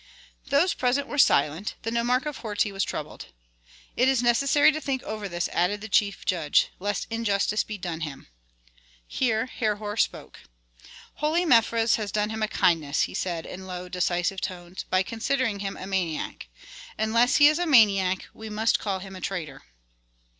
Those present were silent; the nomarch of Horti was troubled. "It is necessary to think over this," added the chief judge, "lest injustice be done him." Here Herhor spoke. "Holy Mefres has done him a kindness," said he, in low decisive tones, "by considering him a maniac. Unless he is a maniac we must call him a traitor."